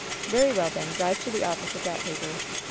"Very well, then. Drive to the office of that paper.